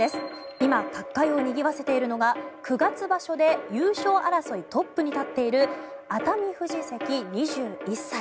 今、角界をにぎわせているのが九月場所で優勝争いトップに立っている熱海富士関、２１歳。